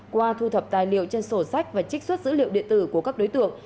qua thu thập tài liệu trên sổ sách và trích xuất dữ liệu điện tử của các đối tượng